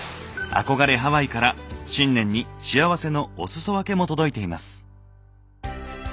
憧れハワイから新年に幸せのおすそ分けも届いています。